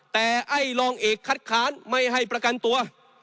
แต่ไอ้รองเอกคัดค้านไม่ให้ประกันตัว